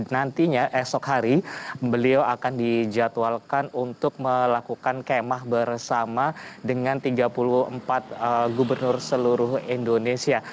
nantinya esok hari beliau akan dijadwalkan untuk melakukan kemah bersama dengan tiga puluh empat gubernur seluruh indonesia